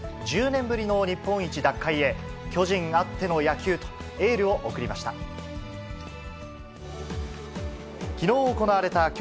１０年ぶりの日本一奪回へ、巨人あっての野球と、エールを送りました。